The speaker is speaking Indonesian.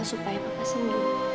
supaya papa sembuh